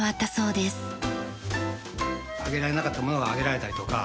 上げられなかったものが上げられたりとか。